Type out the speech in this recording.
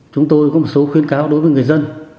chúng tôi có một số khuyến cáo đối với người dân